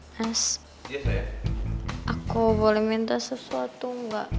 mas aku boleh minta sesuatu enggak